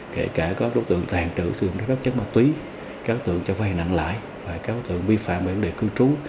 kể cả các đối tượng tàn trữ sử dụng các chất mạc túy các đối tượng cho vay nặng lãi các đối tượng vi phạm về vấn đề cư trú